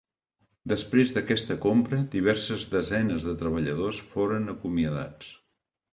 Després d'aquesta compra, diverses desenes de treballadors foren acomiadats.